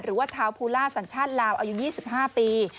หรือว่าทาวภูล่าสัญชาติลาวอายุ๒๕ปี